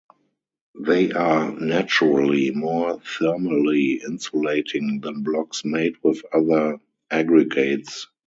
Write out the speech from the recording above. They are naturally more thermally insulating than blocks made with other aggregates.